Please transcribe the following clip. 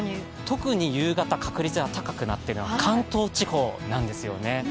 特に夕方、確率が高くなっているのは関東地方なんですよね。